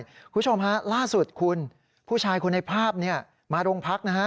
คุณผู้ชมฮะล่าสุดคุณผู้ชายคนในภาพมาโรงพักนะฮะ